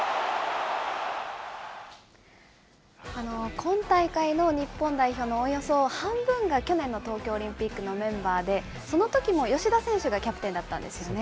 今大会の日本代表のおよそ半分が、去年の東京オリンピックのメンバーで、そのときも吉田選手がキャプテンだったんですよね。